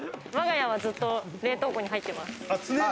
わが家はずっと冷凍庫に入っています。